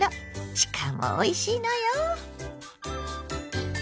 しかもおいしいのよ！